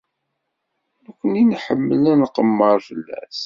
Nekkni nḥemmel ad nqemmer fell-as.